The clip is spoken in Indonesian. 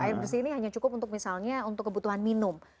air bersih ini hanya cukup untuk misalnya untuk kebutuhan minum